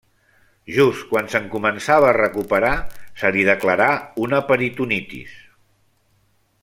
Just quan se'n començava a recuperar, se li declarà una peritonitis.